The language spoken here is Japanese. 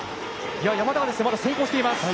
山田はまだ先行しています。